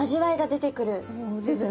そうですね。